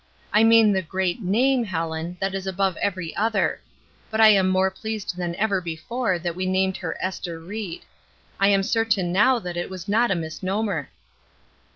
I mean the great NAME, Helen, that is above every other ; but I am more pleased than ever before that we named her ' Ester Ried.' I am certain now that it is not a misnomer."